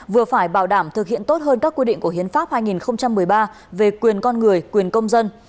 vừa phải bảo đảm thực hiện tốt hơn các quy định của hiến pháp hai nghìn một mươi ba về quyền con người quyền công dân